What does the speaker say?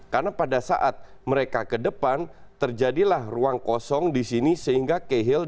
karena pada saat mereka ke depan terjadilah ruang kosong di sini sehingga kehil dan